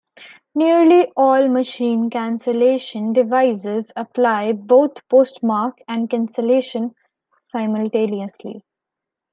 Nearly all machine-cancellation devices apply both postmark and cancellation simultaneously.